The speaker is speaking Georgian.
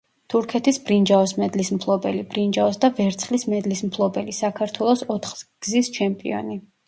თურქეთის ბრინჯაოს მედლის მფლობელი; ბრინჯაოს და ვერცხლის მედლის მფლობელი; საქართველოს ოთხგზის ჩემპიონი.